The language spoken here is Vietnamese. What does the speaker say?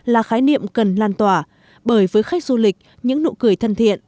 là khái niệm cần lan tỏa bởi với khách du lịch những nụ cười thân thiện